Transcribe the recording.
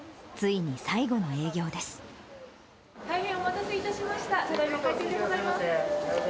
大変お待たせいたしました。